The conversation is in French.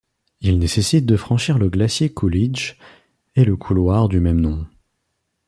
Il nécessite de franchir le glacier Coolidge et le couloir du même nom.